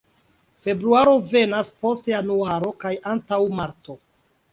Februaro venas post januaro kaj antaŭ marto.